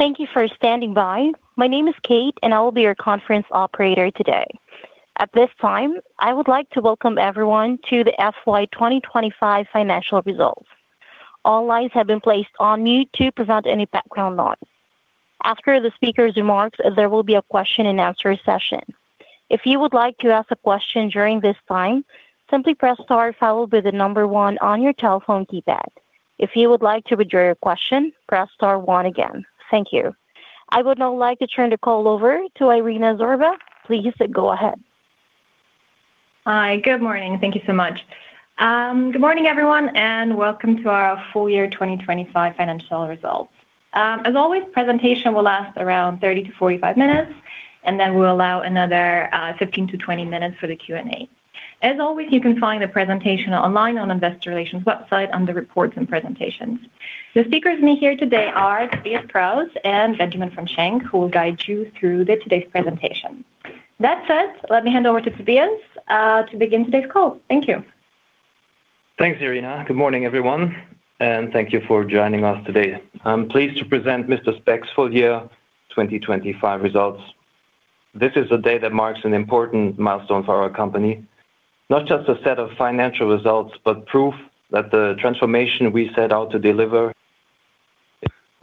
Thank you for standing by. My name is Kate, and I will be your conference operator today. At this time, I would like to welcome everyone to the FY 2025 financial results. All lines have been placed on mute to prevent any background noise. After the speaker's remarks, there will be a question and answer session. If you would like to ask a question during this time, simply press star followed by the number one on your telephone keypad. If you would like to withdraw your question, press star one again. Thank you. I would now like to turn the call over to Irina Zhurba. Please go ahead. Hi. Good morning. Thank you so much. Good morning, everyone, and welcome to our full-year 2025 financial results. As always, presentation will last around 30-45 minutes, and then we'll allow another 15-20 minutes for the Q&A. As always, you can find the presentation online on Investor Relations website under Reports and Presentations. The speakers with me here today are Tobias Krauss and Benjamin von Schenck, who will guide you through today's presentation. That said, let me hand over to Tobias to begin today's call. Thank you. Thanks, Irina. Good morning, everyone, and thank you for joining us today. I'm pleased to present Mister Spex's full-year 2025 results. This is a day that marks an important milestone for our company, not just a set of financial results, but proof that the transformation we set out to deliver.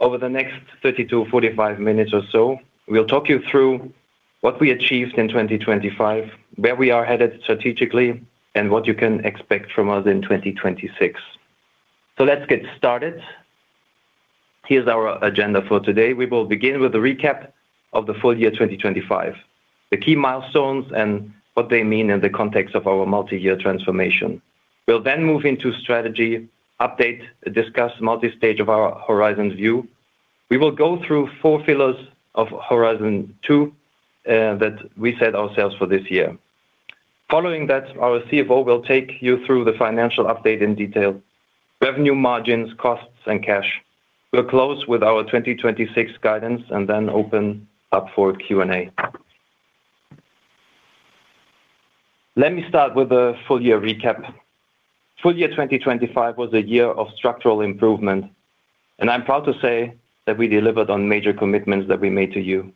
Over the next 30-45 minutes or so, we'll talk you through what we achieved in 2025, where we are headed strategically, and what you can expect from us in 2026. Let's get started. Here's our agenda for today. We will begin with a recap of the full-year 2025, the key milestones and what they mean in the context of our multi-year transformation. We'll then move into strategy update, discuss milestones of our Horizons view. We will go through four pillars of Horizon 2 that we set ourselves for this year. Following that, our CFO will take you through the financial update in detail, revenue margins, costs, and cash. We'll close with our 2026 guidance and then open up for Q&A. Let me start with a full-year recap. Full-year 2025 was a year of structural improvement, and I'm proud to say that we delivered on major commitments that we made to you.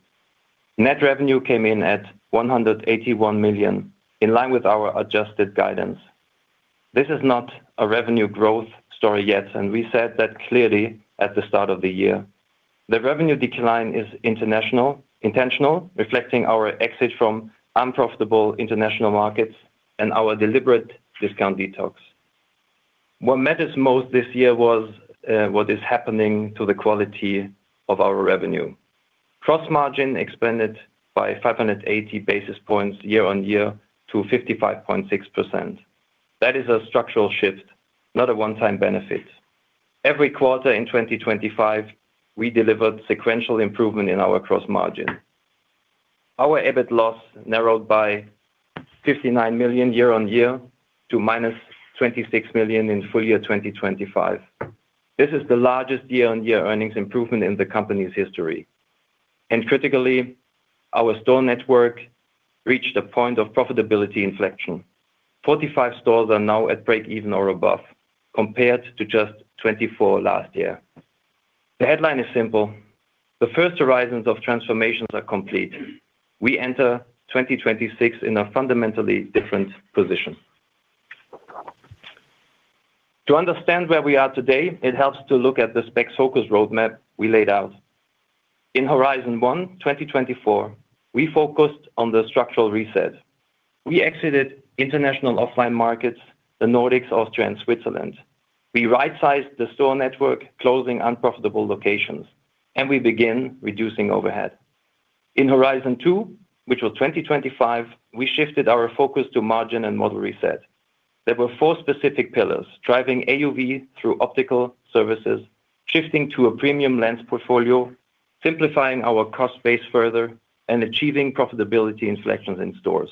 Net revenue came in at 181 million, in line with our adjusted guidance. This is not a revenue growth story yet, and we said that clearly at the start of the year. The revenue decline is intentional, reflecting our exit from unprofitable international markets and our deliberate discount detox. What matters most this year was what is happening to the quality of our revenue. Gross margin expanded by 580 basis points year-on-year to 55.6%. That is a structural shift, not a one-time benefit. Every quarter in 2025, we delivered sequential improvement in our gross margin. Our EBIT loss narrowed by 59 million year-on-year to -26 million in full-year 2025. This is the largest year-on-year earnings improvement in the company's history. Critically, our store network reached a point of profitability inflection. 45 stores are now at break even or above, compared to just 24 last year. The headline is simple. The first Horizons of transformations are complete. We enter 2026 in a fundamentally different position. To understand where we are today, it helps to look at the SpexFocus roadmap we laid out. In Horizon 1, 2024, we focused on the structural reset. We exited international offline markets, the Nordics, Austria, and Switzerland. We right-sized the store network, closing unprofitable locations, and we begin reducing overhead. In Horizon 2, which was 2025, we shifted our focus to margin and model reset. There were four specific pillars: driving AUV through optical services, shifting to a premium lens portfolio, simplifying our cost base further, and achieving profitability inflections in stores.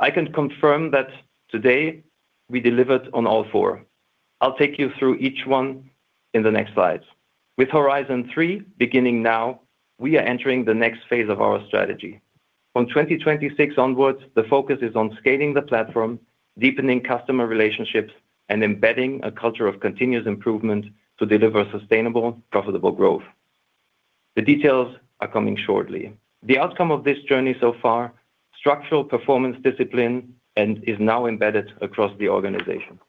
I can confirm that today we delivered on all four. I'll take you through each one in the next slides. With Horizon 3, beginning now, we are entering the next phase of our strategy. From 2026 onwards, the focus is on scaling the platform, deepening customer relationships, and embedding a culture of continuous improvement to deliver sustainable, profitable growth. The details are coming shortly. The outcome of this journey so far is structural performance discipline and is now embedded across the organization.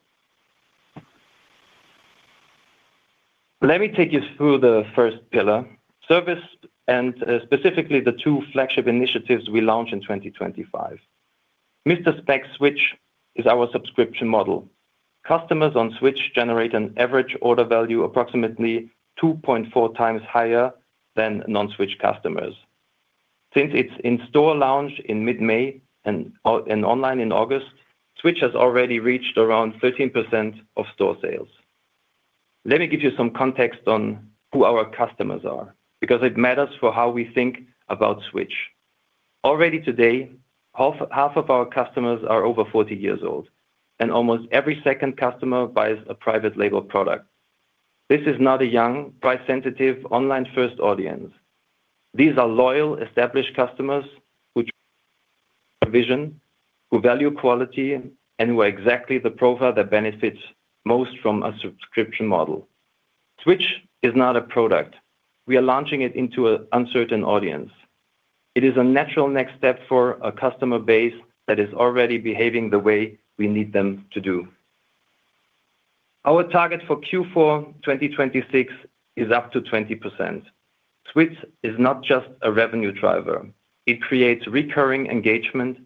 Let me take you through the first pillar, service and specifically the two flagship initiatives we launched in 2025. Mister Spex Switch is our subscription model. Customers on Switch generate an average order value approximately 2.4x higher than non-Switch customers. Since its in-store launch in mid-May and online in August, Switch has already reached around 13% of store sales. Let me give you some context on who our customers are because it matters for how we think about Switch. Already today, half of our customers are over 40 years old, and almost every second customer buys a private label product. This is not a young, price-sensitive, online-first audience. These are loyal, established customers who value quality, and who are exactly the profile that benefits most from a subscription model. Switch is not a product. We are launching it into an uncertain audience. It is a natural next step for a customer base that is already behaving the way we need them to do. Our target for Q4 2026 is up to 20%. Switch is not just a revenue driver. It creates recurring engagement,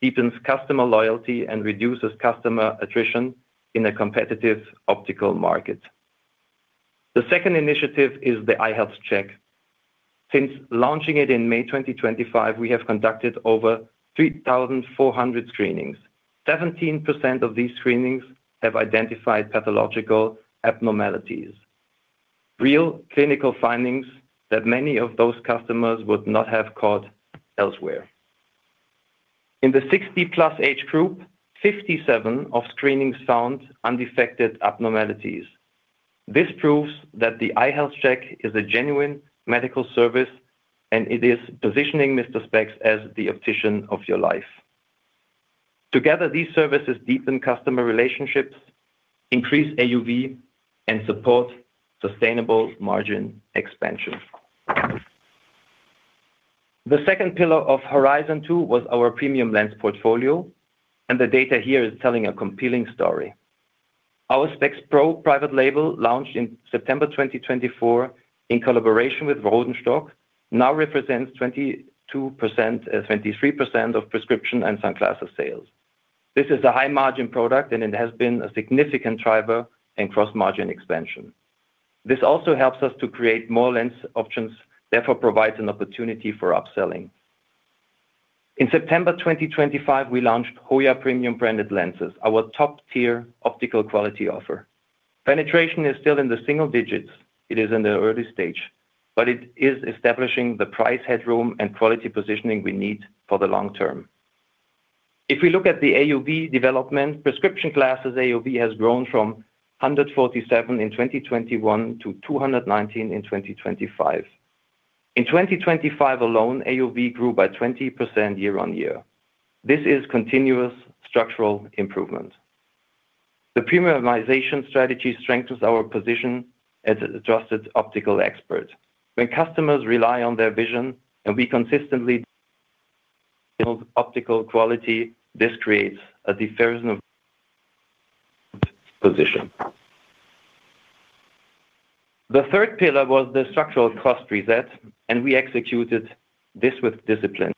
deepens customer loyalty, and reduces customer attrition in a competitive optical market. The second initiative is the Eye Health Check. Since launching it in May 2025, we have conducted over 3,400 screenings. 17% of these screenings have identified pathological abnormalities, real clinical findings that many of those customers would not have caught elsewhere. In the 60+ age group, 57% of screenings found undetected abnormalities. This proves that the Eye Health Check is a genuine medical service, and it is positioning Mister Spex as the optician of your life. Together, these services deepen customer relationships, increase AUV, and support sustainable margin expansion. The second pillar of Horizon 2 was our premium lens portfolio, and the data here is telling a compelling story. Our SpexPro private label, launched in September 2024 in collaboration with Rodenstock, now represents 22%, 23% percent of prescription and sunglasses sales. This is a high margin product, and it has been a significant driver in gross margin expansion. This also helps us to create more lens options, therefore provides an opportunity for upselling. In September 2025, we launched Hoya premium branded lenses, our top-tier optical quality offer. Penetration is still in the single digits. It is in the early stage, but it is establishing the price headroom and quality positioning we need for the long term. If we look at the AUV development, prescription glasses AUV has grown from 147 in 2021 to 219 in 2025. In 2025 alone, AUV grew by 20% year-on-year. This is continuous structural improvement. The premiumization strategy strengthens our position as a trusted optical expert. When customers rely on their vision and we consistently optical quality, this creates a deferral of position. The third pillar was the structural cost reset, and we executed this with discipline.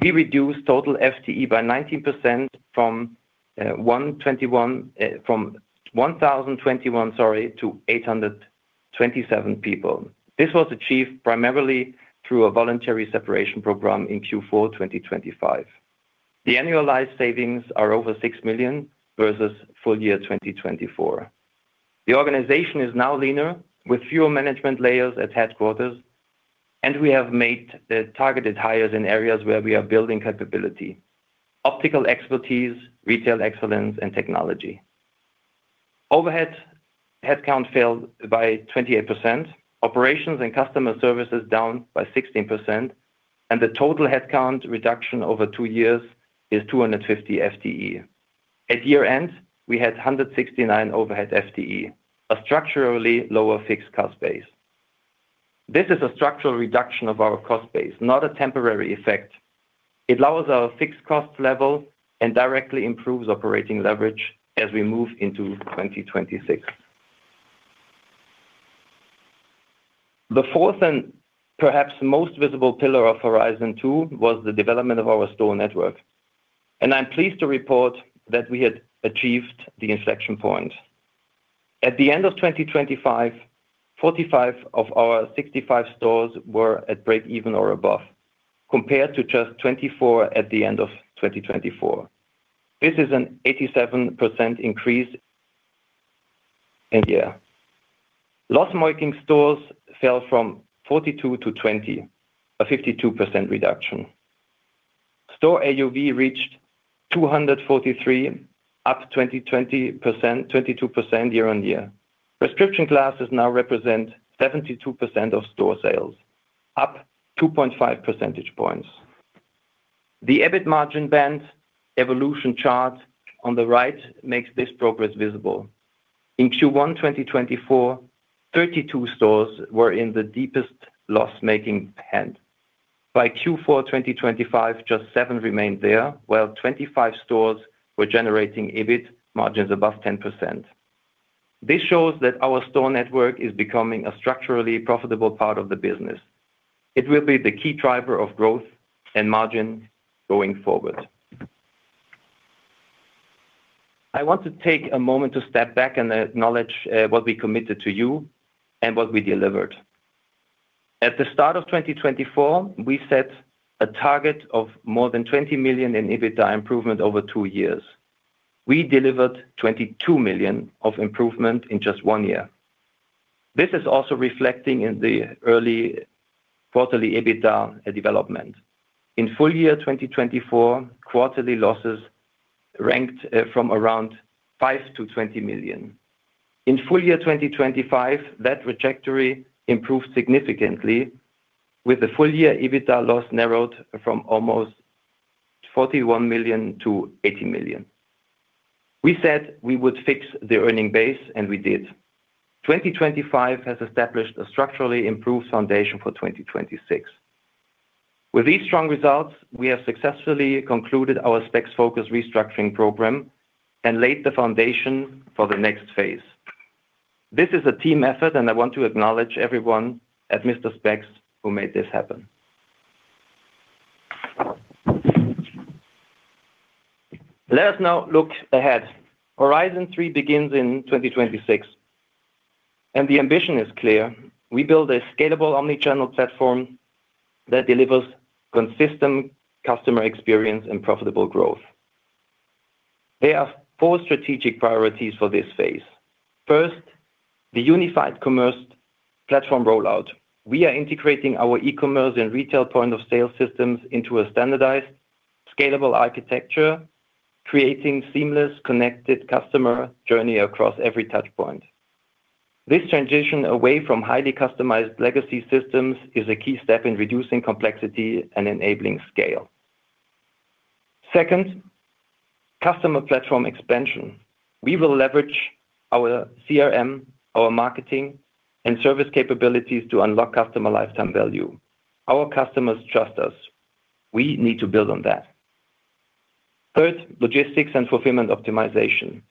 We reduced total FTE by 19% from 1,021, sorry, to 827 people. This was achieved primarily through a voluntary separation program in Q4 2025. The annualized savings are over 6 million versus full-year 2024. The organization is now leaner with fewer management layers at headquarters, and we have made targeted hires in areas where we are building capability, optical expertise, retail excellence, and technology. Overhead headcount fell by 28%, operations and customer services down by 16%, and the total headcount reduction over two years is 250 FTE. At year-end, we had 169 overhead FTE, a structurally lower fixed cost base. This is a structural reduction of our cost base, not a temporary effect. It lowers our fixed cost level and directly improves operating leverage as we move into 2026. The fourth and perhaps most visible pillar of Horizon 2 was the development of our store network, and I'm pleased to report that we had achieved the inflection point. At the end of 2025, 45 of our 65 stores were at break even or above, compared to just 24 at the end of 2024. This is an 87% increase in a year. Loss-making stores fell from 42 to 20, a 52% reduction. Store AUV reached 243, up 20%, 22% year-on-year. Prescription glasses now represent 72% of store sales, up 2.5 percentage points. The EBIT margin band evolution chart on the right makes this progress visible. In Q1 2024, 32 stores were in the deepest loss-making band. By Q4 2025, just seven remained there, while 25 stores were generating EBIT margins above 10%. This shows that our store network is becoming a structurally profitable part of the business. It will be the key driver of growth and margin going forward. I want to take a moment to step back and acknowledge what we committed to you and what we delivered. At the start of 2024, we set a target of more than 20 million in EBITDA improvement over two years. We delivered 22 million of improvement in just one year. This is also reflecting in the early quarterly EBITDA development. In full-year 2024, quarterly losses ranged from around 5 million to 20 million. In full-year 2025, that trajectory improved significantly with the full-year EBITDA loss narrowed from almost 41 million to 80 million. We said we would fix the earning base, and we did. Twenty twenty-five has established a structurally improved foundation for 2026. With these strong results, we have successfully concluded our SpexFocus restructuring program and laid the foundation for the next phase. This is a team effort, and I want to acknowledge everyone at Mister Spex who made this happen. Let us now look ahead. Horizon 3 begins in 2026, and the ambition is clear. We build a scalable omni-channel platform that delivers consistent customer experience and profitable growth. There are four strategic priorities for this phase. First, the unified commerce platform rollout. We are integrating our e-commerce and retail point of sale systems into a standardized, scalable architecture, creating seamless connected customer journey across every touch point. This transition away from highly customized legacy systems is a key step in reducing complexity and enabling scale. Second, customer platform expansion. We will leverage our CRM, our marketing and service capabilities to unlock customer lifetime value. Our customers trust us. We need to build on that. Third, logistics and fulfillment optimization.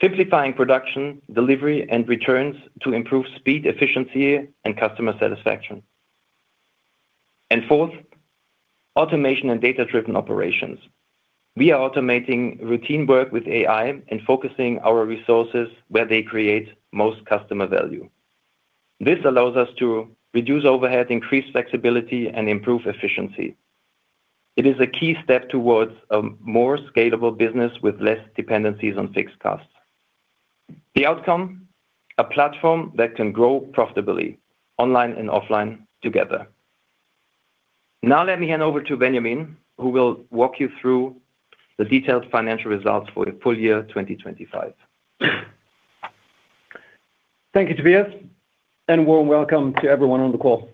Simplifying production, delivery, and returns to improve speed, efficiency, and customer satisfaction. Fourth, automation and data-driven operations. We are automating routine work with AI and focusing our resources where they create most customer value. This allows us to reduce overhead, increase flexibility, and improve efficiency. It is a key step towards a more scalable business with less dependencies on fixed costs. The outcome, a platform that can grow profitably online and offline together. Now let me hand over to Benjamin, who will walk you through the detailed financial results for the full-year 2025. Thank you, Tobias, and warm welcome to everyone on the call.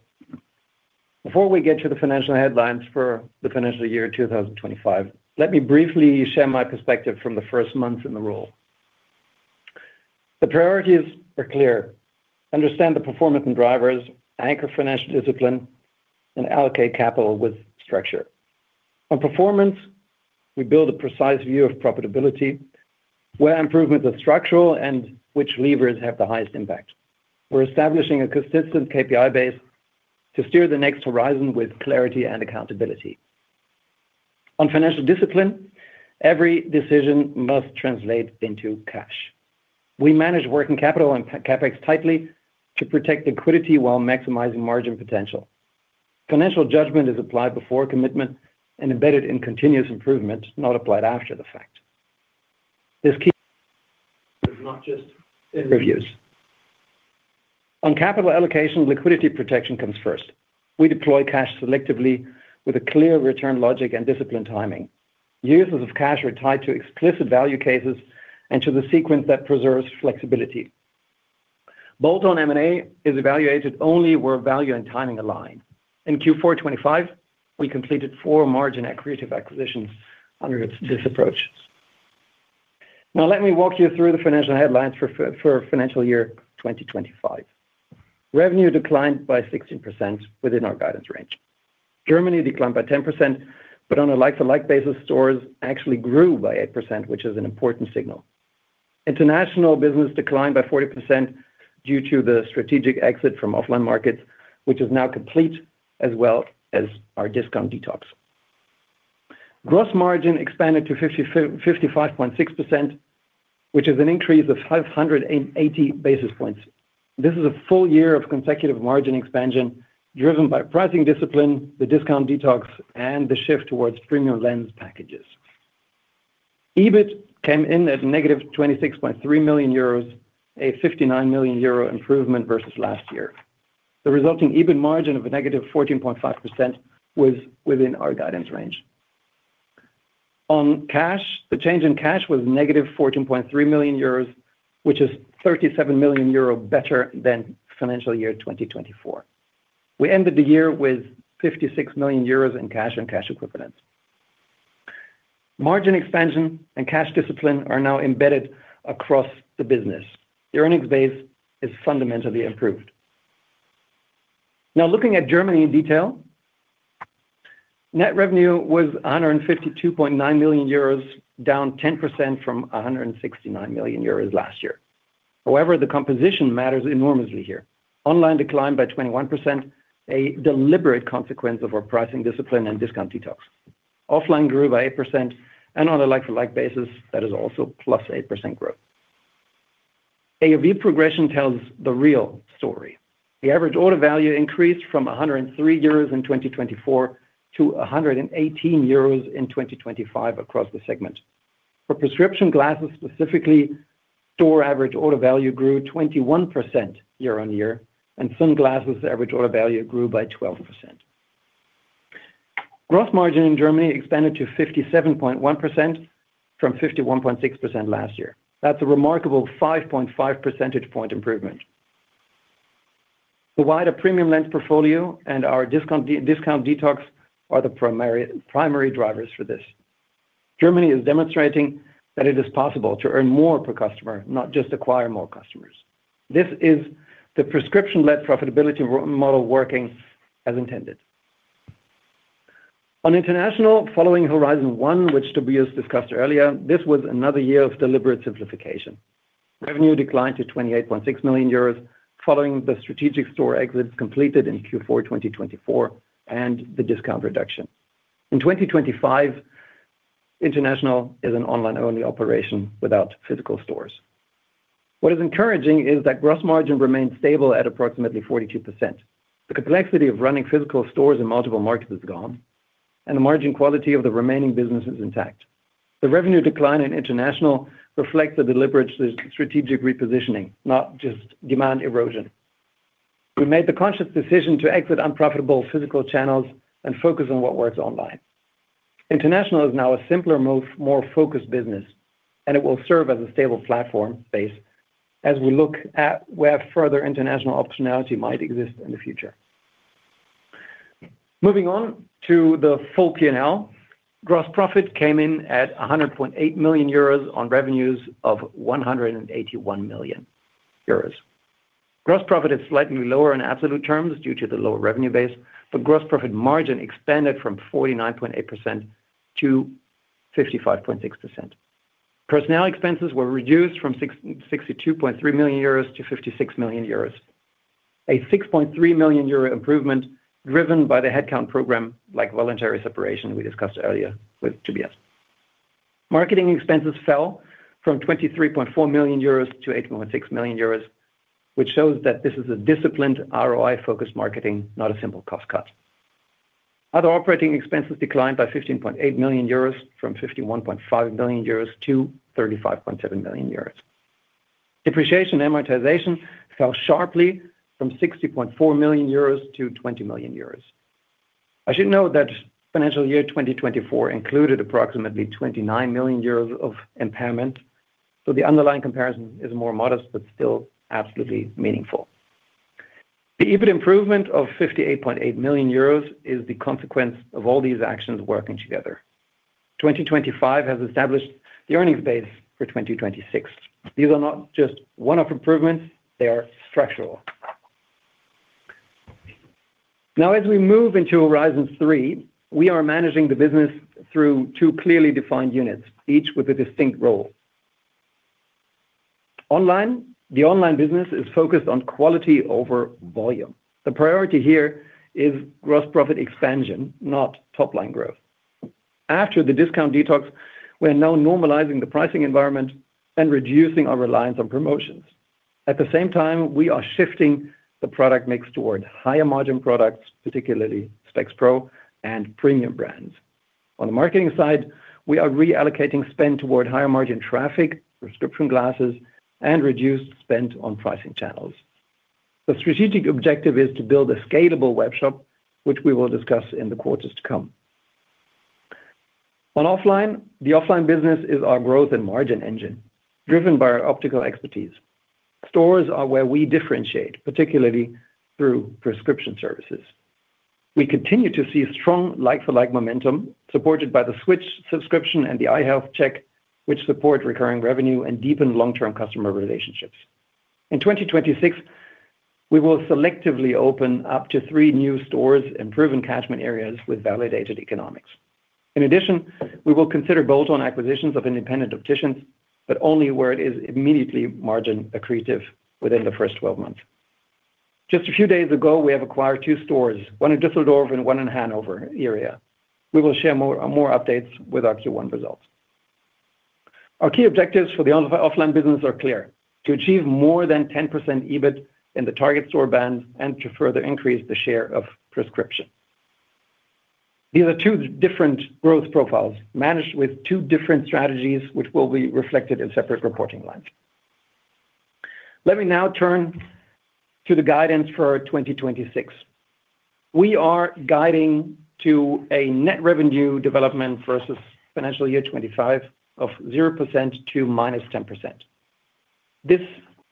Before we get to the financial headlines for the financial year 2025, let me briefly share my perspective from the first month in the role. The priorities are clear. Understand the performance and drivers, anchor financial discipline, and allocate capital with structure. On performance, we build a precise view of profitability, where improvements are structural, and which levers have the highest impact. We're establishing a consistent KPI base to steer the next Horizon with clarity and accountability. On financial discipline, every decision must translate into cash. We manage working capital and CapEx tightly to protect liquidity while maximizing margin potential. Financial judgment is applied before commitment and embedded in continuous improvement, not applied after the fact. This key is not just in reviews. On capital allocation, liquidity protection comes first. We deploy cash selectively with a clear return logic and disciplined timing. Uses of cash are tied to explicit value cases and to the sequence that preserves flexibility. Bolt-on M&A is evaluated only where value and timing align. In Q4 2025, we completed four margin accretive acquisitions under this approach. Now let me walk you through the financial headlines for financial year 2025. Revenue declined by 16% within our guidance range. Germany declined by 10%, but on a like-for-like basis, stores actually grew by 8%, which is an important signal. International business declined by 40% due to the strategic exit from offline markets, which is now complete, as well as our discount detox. Gross margin expanded to 55.6%, which is an increase of 580 basis points. This is a full-year of consecutive margin expansion driven by pricing discipline, the discount detox, and the shift towards premium lens packages. EBIT came in at -26.3 million euros, a 59 million euro improvement versus last year. The resulting EBIT margin of -14.5% was within our guidance range. On cash, the change in cash was -14.3 million euros, which is 37 million euro better than financial year 2024. We ended the year with 56 million euros in cash and cash equivalents. Margin expansion and cash discipline are now embedded across the business. The earnings base is fundamentally improved. Now looking at Germany in detail, net revenue was 152.9 million euros, down 10% from 169 million euros last year. However, the composition matters enormously here. Online declined by 21%, a deliberate consequence of our pricing discipline and discount detox. Offline grew by 8% and on a like-for-like basis, that is also +8% growth. AOV progression tells the real story. The average order value increased from 103 euros in 2024 to 118 euros in 2025 across the segment. For prescription glasses, specifically, store average order value grew 21% year-on-year, and sunglasses average order value grew by 12%. Gross margin in Germany expanded to 57.1% from 51.6% last year. That's a remarkable 5.5 percentage point improvement. The wider premium lens portfolio and our discount detox are the primary drivers for this. Germany is demonstrating that it is possible to earn more per customer, not just acquire more customers. This is the prescription-led profitability model working as intended. On international, following Horizon 1, which Tobias discussed earlier, this was another year of deliberate simplification. Revenue declined to 28.6 million euros following the strategic store exits completed in Q4 2024 and the discount reduction. In 2025, international is an online-only operation without physical stores. What is encouraging is that gross margin remains stable at approximately 42%. The complexity of running physical stores in multiple markets is gone, and the margin quality of the remaining business is intact. The revenue decline in international reflects a deliberate strategic repositioning, not just demand erosion. We made the conscious decision to exit unprofitable physical channels and focus on what works online. International is now a simpler, more focused business, and it will serve as a stable platform base as we look at where further international optionality might exist in the future. Moving on to the full P&L. Gross profit came in at 100.8 million euros on revenues of 181 million euros. Gross profit is slightly lower in absolute terms due to the lower revenue base, but gross profit margin expanded from 49.8% to 55.6%. Personnel expenses were reduced from 62.3 million euros to 56 million euros, a 6.3 million euro improvement driven by the headcount program like voluntary separation we discussed earlier with Tobias. Marketing expenses fell from 23.4 million euros to 8.6 million euros, which shows that this is a disciplined ROI-focused marketing, not a simple cost cut. Other operating expenses declined by 15.8 million euros from 51.5 million euros to 35.7 million euros. Depreciation and amortization fell sharply from 60.4 million euros to 20 million euros. I should note that financial year 2024 included approximately 29 million euros of impairment, so the underlying comparison is more modest but still absolutely meaningful. The EBIT improvement of 58.8 million euros is the consequence of all these actions working together. 2025 has established the earnings base for 2026. These are not just one-off improvements, they are structural. Now, as we move into Horizon 3, we are managing the business through two clearly defined units, each with a distinct role. Online, the online business is focused on quality over volume. The priority here is gross profit expansion, not top-line growth. After the discount detox, we're now normalizing the pricing environment and reducing our reliance on promotions. At the same time, we are shifting the product mix toward higher-margin products, particularly SpexPro and premium brands. On the marketing side, we are reallocating spend toward higher-margin traffic, prescription glasses, and reduced spend on pricing channels. The strategic objective is to build a scalable webshop, which we will discuss in the quarters to come. On offline, the offline business is our growth and margin engine, driven by our optical expertise. Stores are where we differentiate, particularly through prescription services. We continue to see strong like-for-like momentum supported by the Switch subscription and the Eye Health Check, which support recurring revenue and deepen long-term customer relationships. In 2026, we will selectively open up to three new stores in proven catchment areas with validated economics. In addition, we will consider bolt-on acquisitions of independent opticians, but only where it is immediately margin accretive within the first 12 months. Just a few days ago, we have acquired two stores, one in Düsseldorf and one in Hanover area. We will share more updates with our Q1 results. Our key objectives for the offline business are clear. To achieve more than 10% EBIT in the target store band and to further increase the share of prescription. These are two different growth profiles managed with two different strategies, which will be reflected in separate reporting lines. Let me now turn to the guidance for 2026. We are guiding to a net revenue development versus financial year 2025 of 0% to -10%. This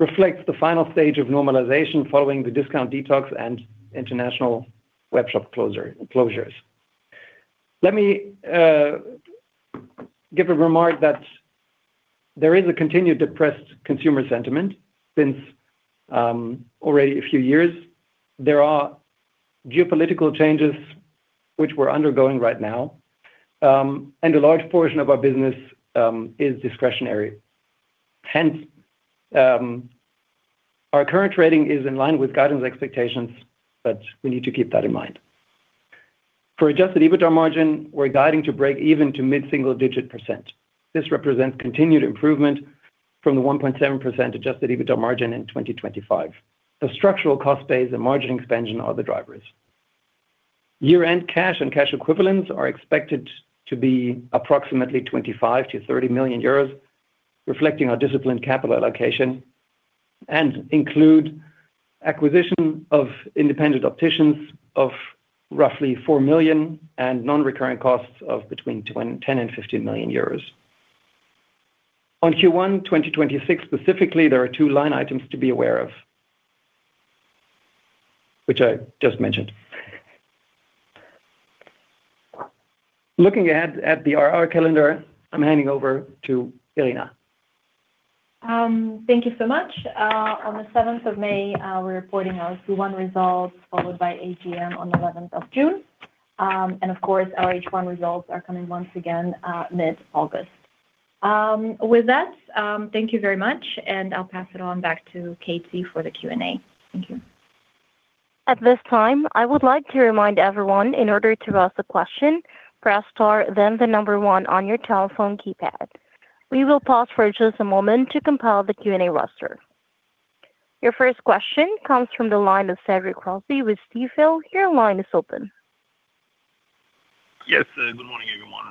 reflects the final stage of normalization following the discount detox and international webshop closures. Let me give a remark that there is a continued depressed consumer sentiment since already a few years. There are geopolitical changes which we're undergoing right now, and a large portion of our business is discretionary. Hence, our current trading is in line with guidance expectations, but we need to keep that in mind. For adjusted EBITDA margin, we're guiding to break even to mid-single digit percent. This represents continued improvement from the 1.7% adjusted EBITDA margin in 2025. The structural cost base and margin expansion are the drivers. Year-end cash and cash equivalents are expected to be approximately 25 million-30 million euros, reflecting our disciplined capital allocation. Include acquisition of independent opticians of roughly 4 million and non-recurring costs of between 10 million and 15 million euros. On Q1 2026 specifically, there are two line items to be aware of, which I just mentioned. Looking ahead at the IR calendar, I'm handing over to Irina. Thank you so much. On the 7th of May, we're reporting our Q1 results, followed by AGM on the 11th of June. Of course, our H1 results are coming once again mid-August. With that, thank you very much, and I'll pass it on back to Katie for the Q&A. Thank you. At this time, I would like to remind everyone in order to ask a question, press star then the number one on your telephone keypad. We will pause for just a moment to compile the Q&A roster. Your first question comes from the line of Cédric Rossi with Stifel. Your line is open. Yes, good morning, everyone.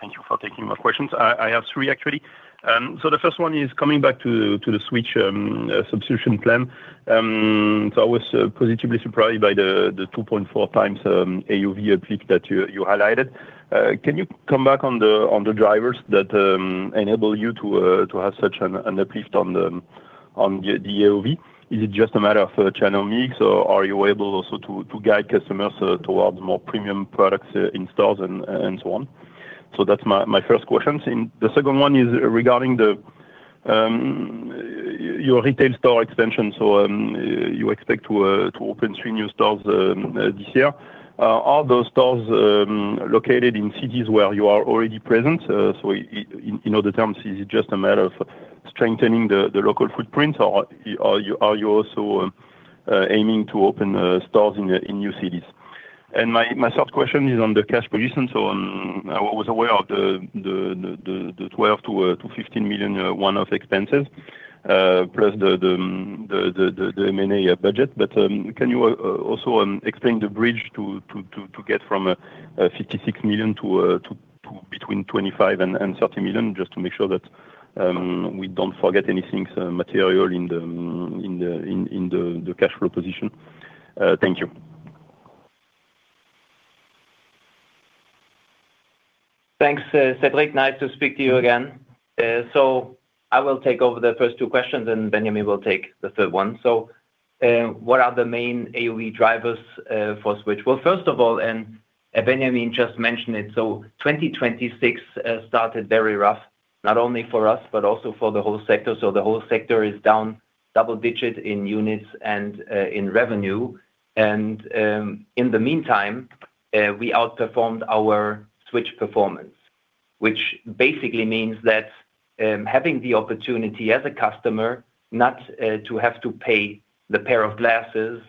Thank you for taking my questions. I have three, actually. The first one is coming back to the Switch subscription plan. I was positively surprised by the 2.4x AUV uplift that you highlighted. Can you come back on the drivers that enable you to have such an uplift on the AUV? Is it just a matter of channel mix, or are you able also to guide customers towards more premium products in stores and so on? That's my first question. The second one is regarding your retail store extension. You expect to open three new stores this year. Are those stores located in cities where you are already present? In other terms, is it just a matter of strengthening the local footprint, or are you also aiming to open stores in new cities? My third question is on the cash position. I was aware of the 12 million-15 million one-off expenses plus the M&A budget. Can you also explain the bridge to get from 56 million to between 25 million and 30 million, just to make sure that we don't forget anything material in the cash flow position? Thank you. Thanks, Cédric. Nice to speak to you again. I will take over the first two questions, and Benjamin will take the third one. What are the main AOV drivers for Switch? Well, first of all, Benjamin just mentioned it, 2026 started very rough, not only for us, but also for the whole sector. The whole sector is down double digits in units and in revenue. In the meantime, we outperformed our Switch performance, which basically means that having the opportunity as a customer not to have to pay the pair of glasses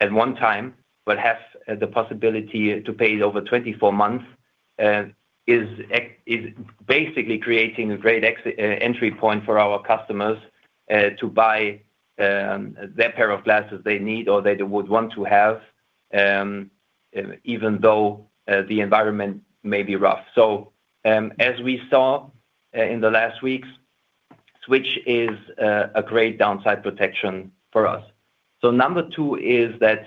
at one time, but have the possibility to pay it over 24 months is basically creating a great entry point for our customers to buy their pair of glasses they need or they would want to have, even though the environment may be rough. As we saw in the last weeks, Switch is a great downside protection for us. Number two is that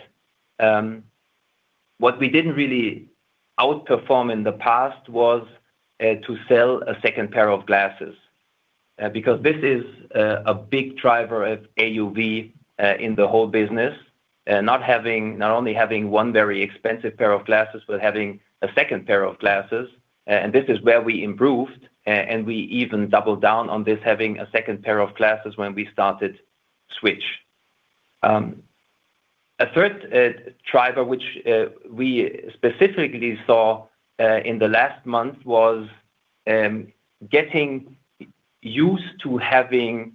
what we didn't really outperform in the past was to sell a second pair of glasses. Because this is a big driver of AUV in the whole business, not only having one very expensive pair of glasses, but having a second pair of glasses. This is where we improved, and we even doubled down on this, having a second pair of glasses when we started Switch. A third driver, which we specifically saw in the last month, was getting used to having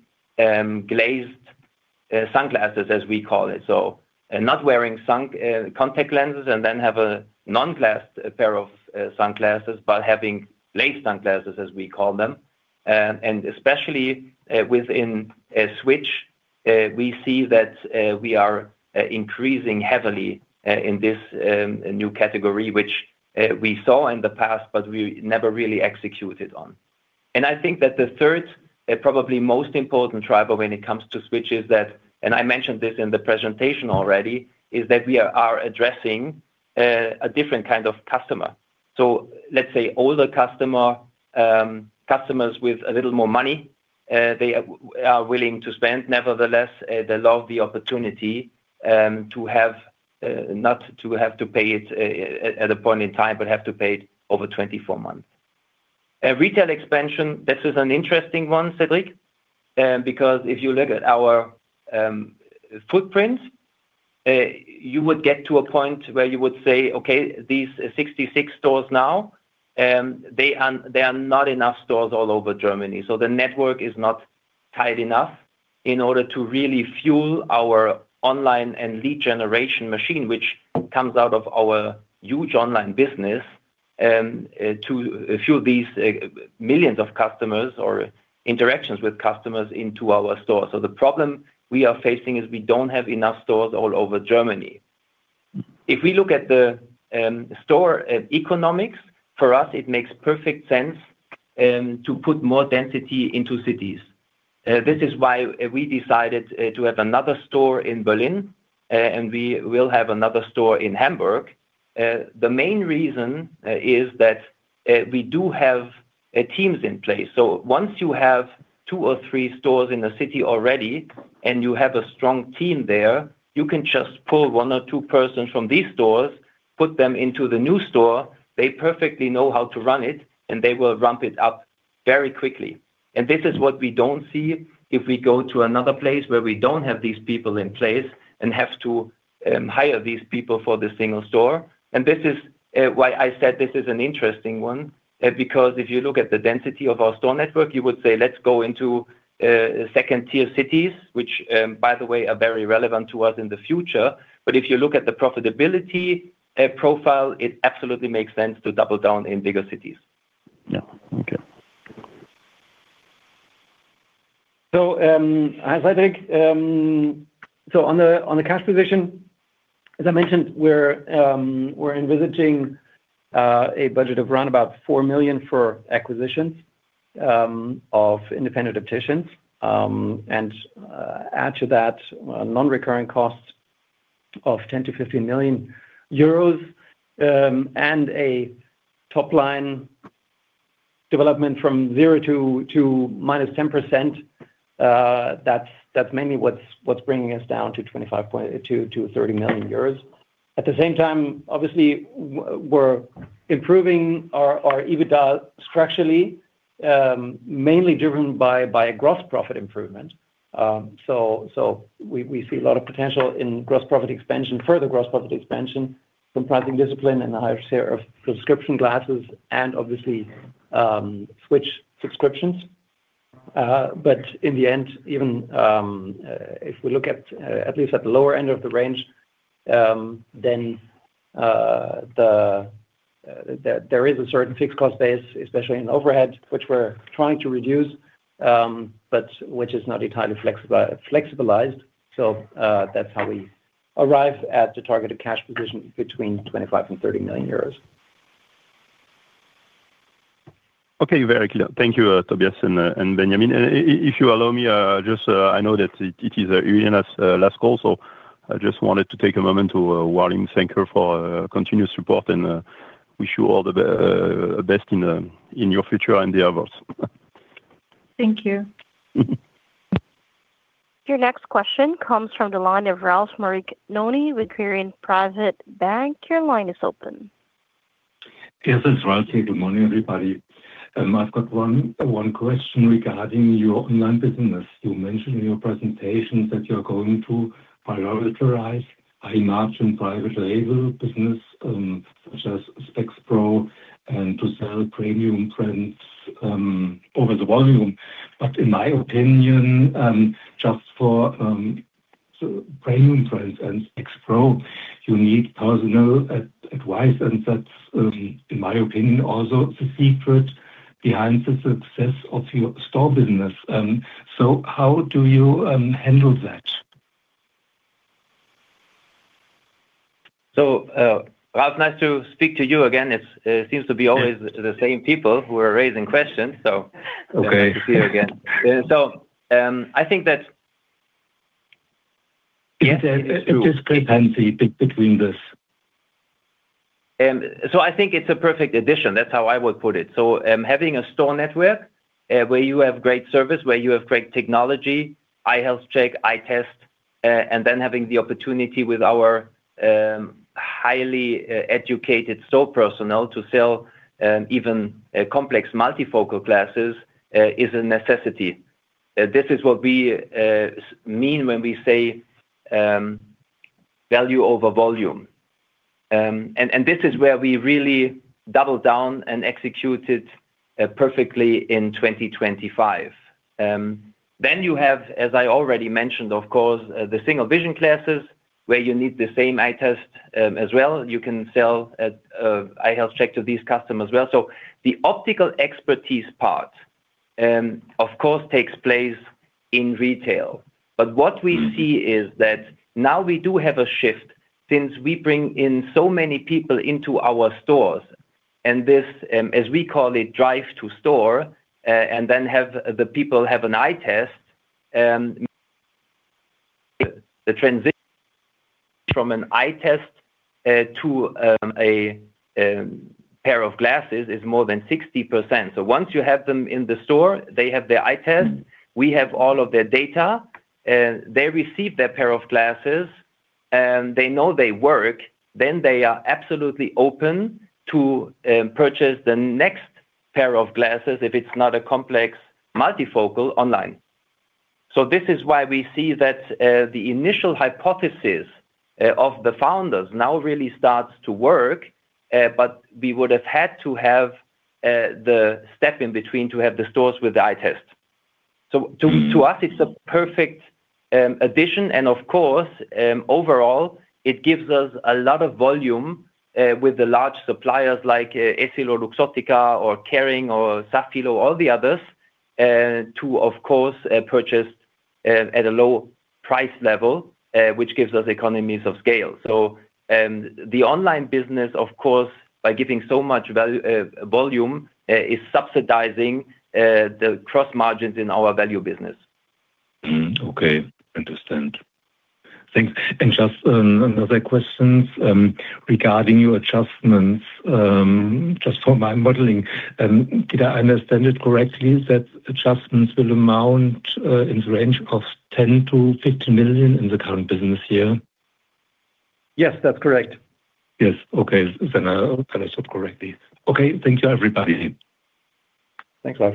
glazed sunglasses, as we call it, not wearing contact lenses and then have a non-glazed pair of sunglasses, but having glazed sunglasses, as we call them. Especially within Switch, we see that we are increasing heavily in this new category, which we saw in the past, but we never really executed on. I think that the third and probably most important driver when it comes to Switch is that, and I mentioned this in the presentation already, is that we are addressing a different kind of customer. Let's say older customer, customers with a little more money, they are willing to spend. Nevertheless, they love the opportunity not to have to pay it at a point in time, but have to pay it over 24 months. A retail expansion, this is an interesting one, Cédric, because if you look at our footprint, you would get to a point where you would say, "Okay, these 66 stores now, they are not enough stores all over Germany." The network is not tight enough in order to really fuel our online and lead generation machine, which comes out of our huge online business, to fuel these millions of customers or interactions with customers into our stores. The problem we are facing is we don't have enough stores all over Germany. If we look at the store economics, for us, it makes perfect sense to put more density into cities. This is why we decided to have another store in Berlin, and we will have another store in Hamburg. The main reason is that we do have teams in place. Once you have two or three stores in a city already and you have a strong team there, you can just pull one or two persons from these stores, put them into the new store. They perfectly know how to run it, and they will ramp it up very quickly. This is what we don't see if we go to another place where we don't have these people in place and have to hire these people for the single store. This is why I said this is an interesting one, because if you look at the density of our store network, you would say, let's go into second-tier cities, which, by the way, are very relevant to us in the future. If you look at the profitability profile, it absolutely makes sense to double down in bigger cities. Yeah. Okay. On the cash position, as I mentioned, we're envisaging a budget of 4 million for acquisitions of independent opticians, and add to that non-recurring costs of 10 million-15 million euros, and a top-line development from 0% to -10%. That's mainly what's bringing us down to 25 million-30 million euros. At the same time, obviously, we're improving our EBITDA structurally, mainly driven by a gross profit improvement. We see a lot of potential in gross profit expansion, further gross profit expansion from pricing discipline and a higher share of prescription glasses and obviously switch subscriptions. in the end, even if we look at least at the lower end of the range, then there is a certain fixed cost base, especially in overhead, which we're trying to reduce, but which is not entirely flexibilized. That's how we arrive at the targeted cash position between 25 million and 30 million euros. Okay. Very clear. Thank you, Tobias and Benjamin. If you allow me, just, I know that it is Irina's last call, so I just wanted to take a moment to warmly thank her for her continuous support and wish you all the best in your future and the others. Thank you. Your next question comes from the line of Ralf Marinoni with Quirin Privatbank. Your line is open. Yes, it's Ralf. Good morning, everybody. I've got one question regarding your online business. You mentioned in your presentation that you're going to prioritize high margin private label business, such as SpexPro and to sell premium brands over the volume. In my opinion, just for so premium brands and SpexPro, you need personal advice, and that's in my opinion also the secret behind the success of your store business. How do you handle that? Ralf, nice to speak to you again. It seems to be always. Yes. The same people who are raising questions, so. Okay. Nice to see you again. I think that- Yes, there's a discrepancy between this. I think it's a perfect addition. That's how I would put it. Having a store network, where you have great service, where you have great technology, Eye Health Check, eye test, and then having the opportunity with our highly educated store personnel to sell even complex multifocal glasses, is a necessity. This is what we mean when we say value over volume. This is where we really double down and execute it perfectly in 2025. You have, as I already mentioned, of course, the single vision glasses where you need the same eye test as well. You can sell Eye Health Check to these customers as well. The optical expertise part of course takes place in retail. What we see is that now we do have a shift since we bring in so many people into our stores, and this, as we call it, drive to store, and then have the people have an eye test, the transit from an eye test to a pair of glasses is more than 60%. Once you have them in the store, they have their eye test, we have all of their data, they receive their pair of glasses, and they know they work, then they are absolutely open to purchase the next pair of glasses if it's not a complex multifocal online. This is why we see that the initial hypothesis of the founders now really starts to work, but we would have had to have the step in between to have the stores with the eye test. To us it's a perfect addition, and of course overall it gives us a lot of volume with the large suppliers like EssilorLuxottica or Kering or Safilo, all the others to of course purchase at a low price level, which gives us economies of scale. The online business of course by giving so much value volume is subsidizing the gross margins in our value business. Mm-hmm. Okay. Understand. Thanks. Just another question regarding your adjustments just for my modeling. Did I understand it correctly that adjustments will amount in the range of 10 million-50 million in the current business year? Yes, that's correct. Yes. Okay. I said correctly. Okay. Thank you, everybody. Thanks, Ralf.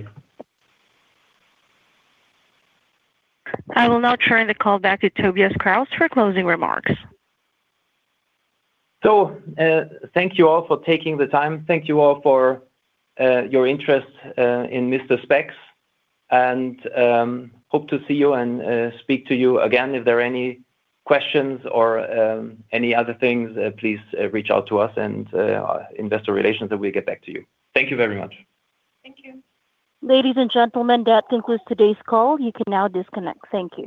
I will now turn the call back to Tobias Krauss for closing remarks. Thank you all for taking the time. Thank you all for your interest in Mister Spex, and I hope to see you and speak to you again. If there are any questions or any other things, please reach out to us and our Investor Relations, and we'll get back to you. Thank you very much. Thank you. Ladies and gentlemen, that concludes today's call. You can now disconnect. Thank you.